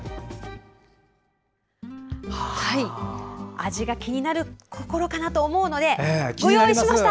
味が気になるころかなと思うのでご用意しました。